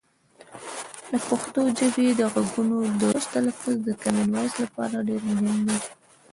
د پښتو ژبې د غږونو درست تلفظ د کامن وایس لپاره ډېر مهم دی.